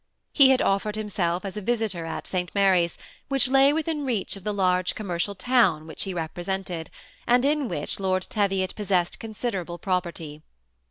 He had d9fered himself as a visitor at St Mary's, which lay within reach of the large com mercial town which he represented, and in which Lord Teviot possessed considerable property.